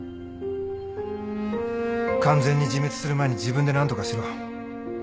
完全に自滅する前に自分で何とかしろ。